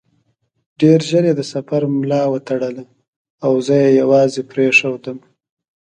ډېر ژر یې د سفر ملا وتړله او زه یې یوازې پرېښودم.